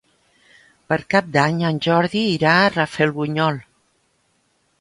Per Cap d'Any en Jordi irà a Rafelbunyol.